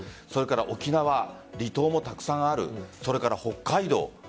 沖縄離島もたくさんあるそれから北海道